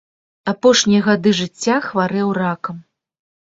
Апошнія гады жыцця хварэў ракам.